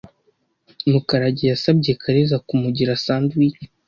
Mukarage yasabye Kariza kumugira sandwich.